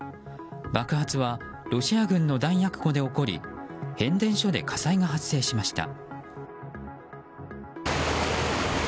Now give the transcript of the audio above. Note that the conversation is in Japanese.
爆発はロシア軍の弾薬庫で起こり変電所で火災が発生しました。